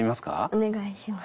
お願いします。